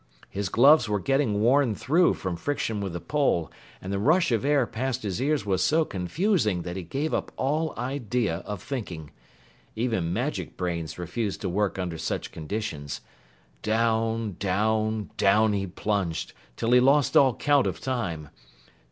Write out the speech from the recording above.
His gloves were getting worn through from friction with the pole, and the rush of air past his ears was so confusing that he gave up all idea of thinking. Even magic brains refuse to work under such conditions. Down down down he plunged till he lost all count of time.